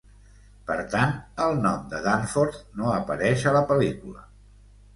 Per tant, el nom de Danforth no apareix a la pel·lícula.